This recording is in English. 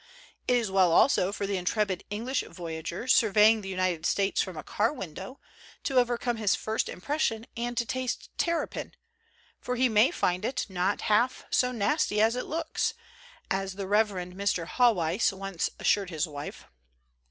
It is well also for the intrepid English voyager, surveying the United 187 COSMOPOLITAN COOKERY States from a car window, to overcome his first impression and to taste terrapin, for he may find it "not half so nasty as it looks," as the Reverend Mr. Haweis once assured his wife.